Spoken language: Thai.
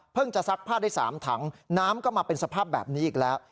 จะซักผ้าได้๓ถังน้ำก็มาเป็นสภาพแบบนี้อีกแล้ว